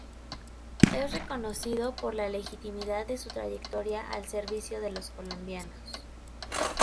Es reconocido por la legitimidad de su trayectoria al servicio de los colombianos.